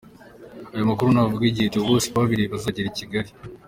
Aya makuru ntavuga igihe Theo Bosebabireba azagerera i Kigali.